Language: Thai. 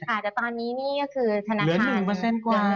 อ่าแต่ตอนนี้นี่ก็คือธนาคารเหลือ๑กว่า